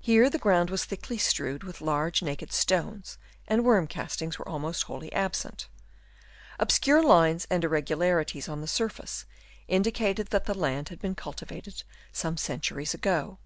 Here the ground was thickly strewed with large naked stones, and Chap. III. BKOUGHT UP BY WORMS. 147 worm castings were almost wholly absent. Obscure lines and irregularities on the sur face indicated that the land had been cul tivated some centuries ago.